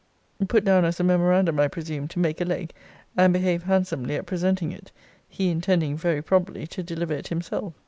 Put down as a memorandum, I presume, to make a leg, and behave handsomely at presenting it, he intending, very probably, to deliver it himself.